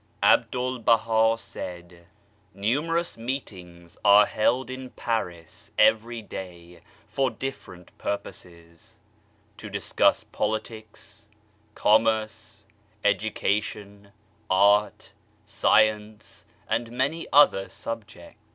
A BDUL BAHA said :Numerous meetings are held in Paris every day for different purposes, to discuss Politics, Commerce, Education, Art, Science and many other subjects.